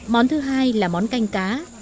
món thứ hai là món canh cá